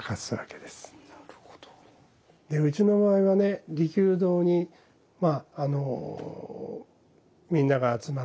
でうちの場合はね利休堂にまあみんなが集まって。